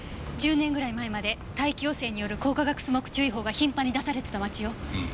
１０年ぐらい前まで大気汚染による光化学スモッグ注意報が頻繁に出されてた町よ。